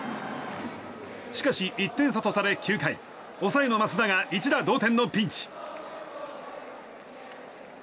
しかし１点差とされ９回抑えの増田が一打同点のピンチ。